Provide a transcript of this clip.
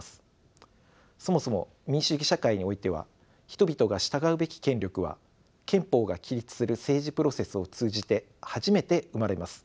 そもそも民主主義社会においては人々が従うべき権力は憲法が規律する政治プロセスを通じて初めて生まれます。